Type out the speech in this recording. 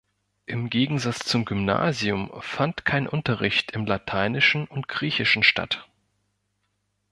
Im Gegensatz zum Gymnasium fand kein Unterricht im Lateinischen und Griechischen statt.